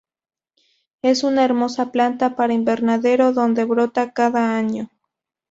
Es una hermosa planta para invernadero donde brota cada año.